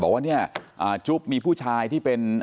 บอกว่าเนี่ยจุ๊บมีผู้ชายที่เป็น